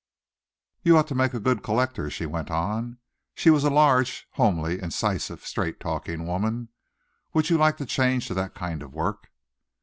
"You ought to make a good collector," she went on. She was a large, homely, incisive, straight talking woman. "Would you like to change to that kind of work?"